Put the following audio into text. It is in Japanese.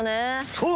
そう！